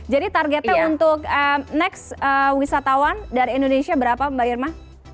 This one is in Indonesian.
jadi targetnya untuk next wisatawan dari indonesia berapa mbak irma